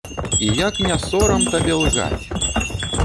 І як не сорам табе лгаць?